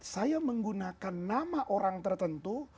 saya menggunakan nama orang tertentu